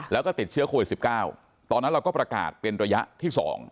แล้วก็ติดเชื้อโควิด๑๙ตอนนั้นเราก็ประกาศเป็นระยะที่๒